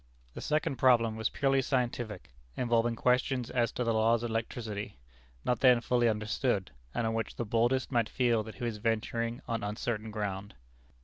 The second problem was purely scientific, involving questions as to the laws of electricity, not then fully understood, and on which the boldest might feel that he was venturing on uncertain ground.